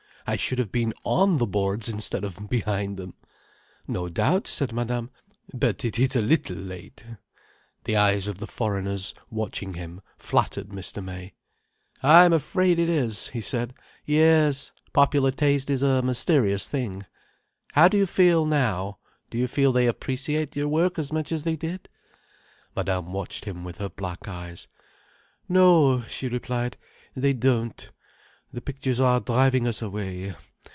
I should have been on the boards, instead of behind them." "No doubt," said Madame. "But it is a little late—" The eyes of the foreigners, watching him, flattered Mr. May. "I'm afraid it is," he said. "Yes. Popular taste is a mysterious thing. How do you feel, now? Do you feel they appreciate your work as much as they did?" Madame watched him with her black eyes. "No," she replied. "They don't. The pictures are driving us away.